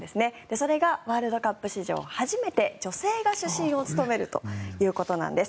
それがワールドカップ史上初めて女性が主審を務めるということなんです。